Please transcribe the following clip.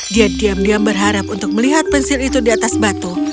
dia diam diam berharap untuk melihat pensil itu di atas batu